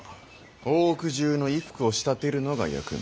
大奥中の衣服を仕立てるのが役目。